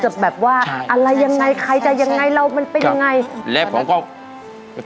ที่เราจะแบบว่าอะไรยังไงใครจะยังไงเรามันเป็นยังไง